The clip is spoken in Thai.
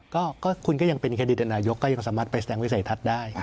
ก็คุณก็ยังเป็นเครดิตนายกก็ยังสามารถไปแสดงวิสัยทัศน์ได้